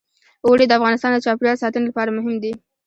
اوړي د افغانستان د چاپیریال ساتنې لپاره مهم دي.